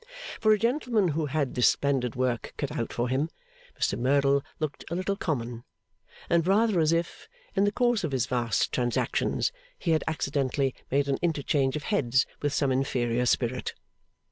For a gentleman who had this splendid work cut out for him, Mr Merdle looked a little common, and rather as if, in the course of his vast transactions, he had accidentally made an interchange of heads with some inferior spirit.